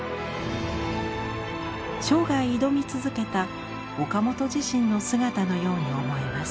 生涯挑み続けた岡本自身の姿のように思えます。